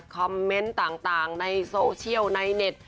คอมเมนต์ต่างในโซเชียลในเน็ต